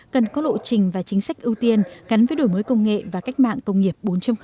cần có lộ trình và chính sách ưu tiên gắn với đổi mới công nghệ và cách mạng công nghiệp bốn